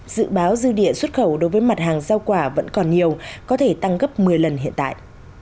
dự báo dư địa xuất khẩu đối với mặt hàng giao quả vẫn còn nhiều có thể tăng gấp một mươi lần hiện tại